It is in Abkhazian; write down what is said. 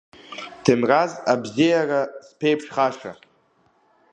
Ҭемраз абзиара зԥеиԥшхаша!